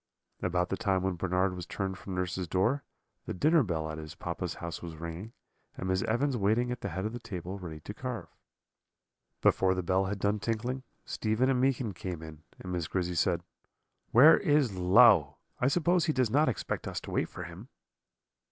"About the time when Bernard was turned from nurse's door, the dinner bell at his papa's house was ringing, and Miss Evans waiting at the head of the table ready to carve. "Before the bell had done tinkling, Stephen and Meekin came in, and Miss Grizzy said: "'Where is Low? I suppose he does not expect us to wait for him.'